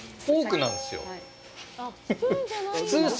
そうなんですね。